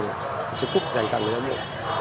giành tặng người ấm mộ